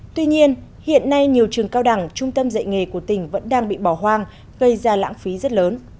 tuy nhiên hiện nay nhiều trường cao đẳng trung tâm dạy nghề của tỉnh vẫn đang bị bỏ hoang gây ra lãng phí rất lớn